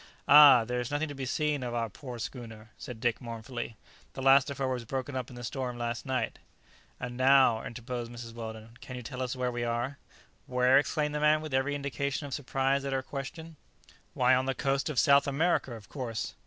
"Ah! there is nothing to be seen of our poor schooner!" said Dick mournfully; "the last of her was broken up in the storm last night." "And now," interposed Mrs. Weldon, "can you tell us where we are?" "Where?" exclaimed the man, with every indication of surprise at her question; "why, on the coast of South America, of course!"